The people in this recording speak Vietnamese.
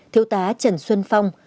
thiếu tá trần xuân phong